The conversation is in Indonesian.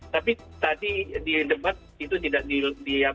tapi tadi di debat itu tidak disampaikan dengan baik oleh donald trump